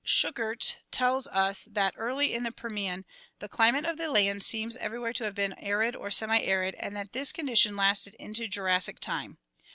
Schuchert tells us that early in the Permian the climate of the lands seems everywhere to have been arid or semiarid and that this condition lasted into Jurassic time.